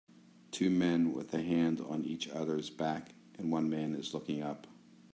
Two men with a hand on each other 's back and one man is looking up.